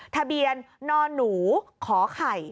ทะเบียนนหนูขอไข่